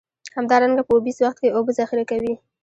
همدارنګه په اوبیز وخت کې اوبه ذخیره کوي.